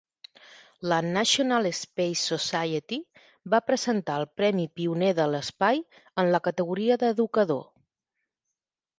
La National Space Society va presentar el Premi Pioner de l'Espai en la categoria d'educador.